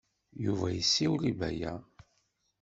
Yuba yessiwel i Baya.